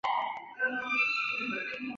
曾任远东国际军事法庭检察官顾问。